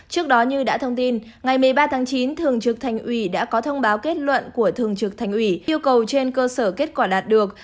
trước đó như đã thông tin ngày một mươi ba tháng chín thường trực thành ủy đã có thông báo kết luận của thường trực thành ủy yêu cầu trên cơ sở kết quả đạt được